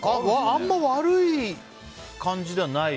あんま悪い感じではない。